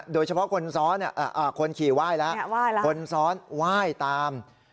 โดยเฉพาะคนซ้อนคนขี่ไหว้แล้วคนซ้อนไหว้ตาม